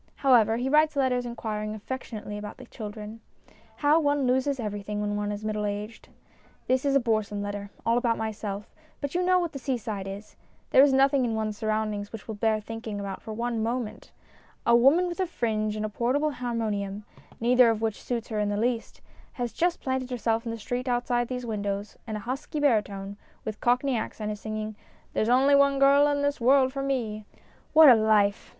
However, he writes letters inquiring affectionately about the children. How one loses everything when one is middle aged ! This is a boresome letter, all about myself; but you know what the seaside is. There is nothing in one's surroundings which will bear thinking about for one moment. A woman with a fringe and a portable harmonium neither of which suits 238 STORIES IN GREY her in the least has just planted herself in the street outside these windows, and a husky baritone, with Cockney accent, is singing, " There's only one girl hin this world for me !" What a life